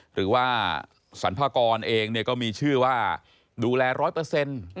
หรือว่าสรรพากรเองก็มีชื่อว่าดูแลร้อยเปอร์เซ็นต์